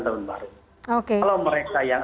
tahun baru oke kalau mereka yang